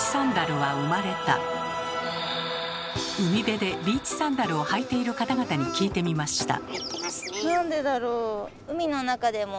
海辺でビーチサンダルを履いている方々に聞いてみました。